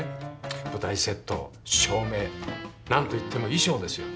舞台セット照明何といっても衣装ですよ。